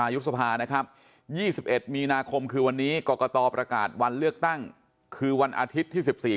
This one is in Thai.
วันนาคมคือวันนี้กรกฎประกาศวันเลือกตั้งคือวันอาทิตย์ที่๑๔